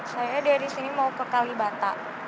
saya dari sini mau ke kalibata